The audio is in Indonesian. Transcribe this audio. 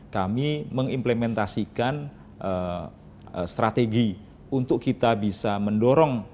kami mengimplementasikan strategi untuk kita bisa mendorong